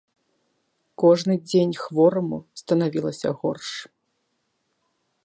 Кожны дзень хвораму станавілася горш.